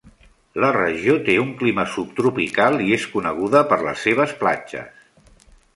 La regió té un clima subtropical i és coneguda per les seves platges.